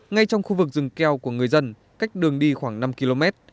ngay trong khu vực rừng keo của người dân cách đường đi khoảng năm km